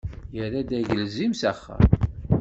Yerra-d agelzim s axxam.